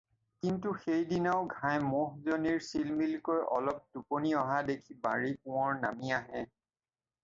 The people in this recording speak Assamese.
কিন্তু সেইদিনাও ঘাই ম'হজনীৰ চিলমিলকৈ অলপ টোপনি অহা দেখি বাঁৰী-কোঁৱৰ নামি আহে।